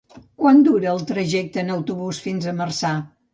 Quant dura el trajecte en autobús fins a Marçà?